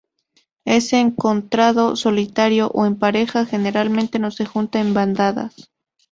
Es encontrado solitario o en pareja, generalmente no se junta en bandadas.